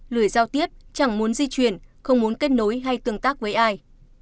lười giao tiếp chẳng muốn di chuyển không muốn kết nối hay tương tác với ai